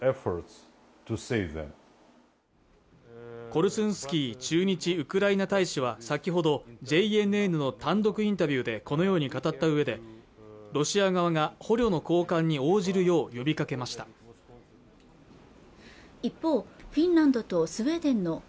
コルスンスキー駐日ウクライナ大使は先ほどＪＮＮの単独インタビューでこのように語った上でロシア側が捕虜の交換に応じるよう呼びかけました一方フィンランドとスウェーデンのＮＡＴＯ＝